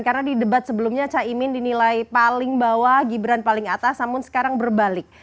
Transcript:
karena di debat sebelumnya caimin dinilai paling bawah gibran paling atas namun sekarang berbalik